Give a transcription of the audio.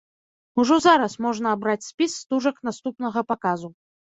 Ужо зараз можна абраць спіс стужак наступнага паказу.